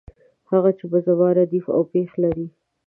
هغه چې په زما ردیف او پیښ لري.